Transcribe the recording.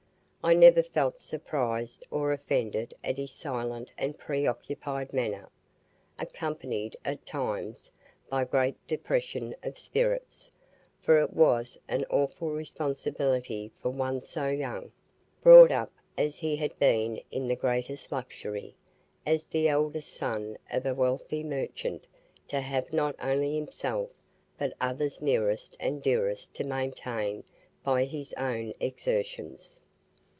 I never felt surprised or offended at his silent and preoccupied manner, accompanied at times by great depression of spirits, for it was an awful responsibility for one so young, brought up as he had been in the greatest luxury, as the eldest son of a wealthy merchant, to have not only himself but others nearest and dearest to maintain by his own exertions.